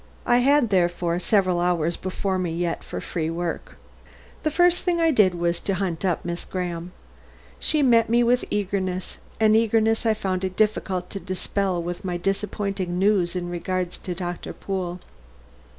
I had therefore several hours before me yet for free work. The first thing I did was to hunt up Miss Graham. She met me with eagerness; an eagerness I found it difficult to dispel with my disappointing news in regard to Doctor Pool.